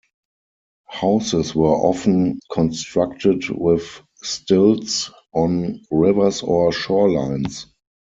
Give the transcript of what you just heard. Houses were often constructed with stilts on rivers or shorelines.